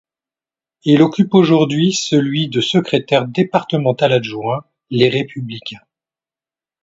Il occupe aujourd'hui celui de secrétaire départemental adjoint Les Républicains.